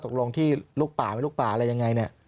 ตกลงที่ลูกป่าไม่ลูกป่าอะไรยังไงเนี่ย